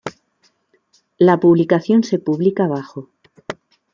La publicación se publica bajo